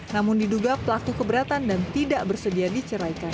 namun diduga pelaku keberatan dan tidak bersedia diceraikan